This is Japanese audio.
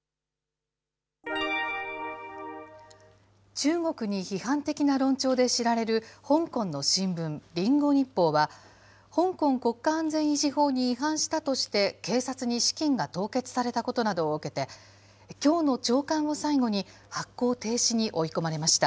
中国に批判的な論調で知られる香港の新聞、リンゴ日報は、香港国家安全維持法に違反したとして、警察に資金が凍結されたことなどを受けて、きょうの朝刊を最後に発行停止に追い込まれました。